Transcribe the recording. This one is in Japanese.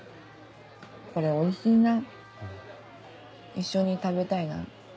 「これおいしいな一緒に食べたいな」。